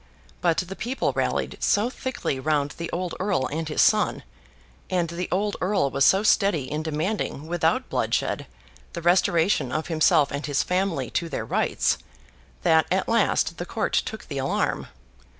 But the people rallied so thickly round the old Earl and his son, and the old Earl was so steady in demanding without bloodshed the restoration of himself and his family to their rights, that at last the court took the alarm.